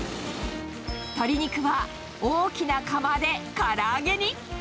鶏肉は大きな釜でから揚げに。